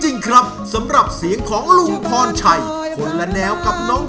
จริงครับสำหรับเสียงของลุงพรชัยคนละแนวกับน้อง